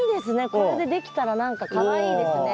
これでできたら何かかわいいですね。